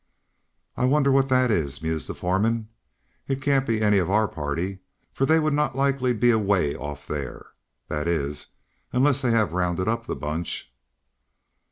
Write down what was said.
"I wonder what that is," mused the foreman. "It can't be any of our party, for they would not be likely to be away off there that is, unless they have rounded up the bunch."